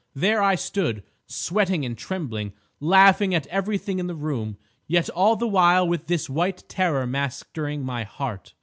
There I stood, sweating and trembling, laughing at everything in the room, yet all the while with this white terror mastering my heart.